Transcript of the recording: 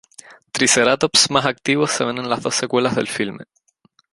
Triceratops más activos se ven en las dos secuelas del filme.